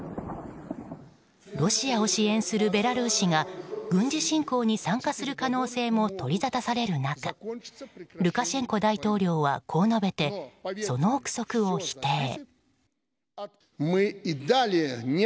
ロシアを支援するベラルーシが軍事侵攻に参加する可能性も取り沙汰される中ルカシェンコ大統領はこう述べて、その憶測を否定。